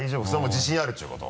自信あるっていうこと？